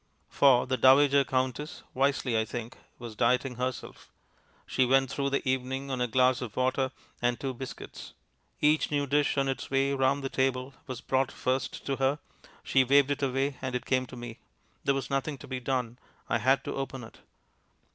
For the Dowager Countess (wisely, I think) was dieting herself. She went through the evening on a glass of water and two biscuits. Each new dish on its way round the table was brought first to her; she waved it away, and it came to me. There was nothing to be done. I had to open it.